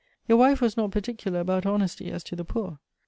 Your wife was not particular about honesty as to the poor.